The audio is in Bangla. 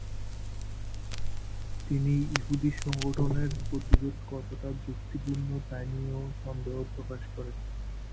তিনি ইহুদি সংগঠনের প্রতিরোধ কতটা যুক্তিপূর্ণ তাই নিয়েও সন্দেহ প্রকাশ করেন।